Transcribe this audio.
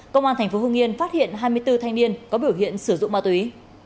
công an tp hương yên phát hiện hai mươi bốn thanh niên có biểu hiện sử dụng ma túy